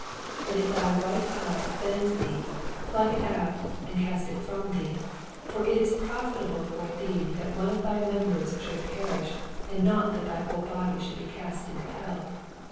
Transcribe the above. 29 And if thy right eye offend thee, pluck it out, and cast it from thee; for it Is profitable for thee that one of thy members should perish, and not that thy whole body should be cast into hell.